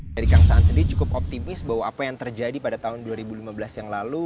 dari kang saan sendiri cukup optimis bahwa apa yang terjadi pada tahun dua ribu lima belas yang lalu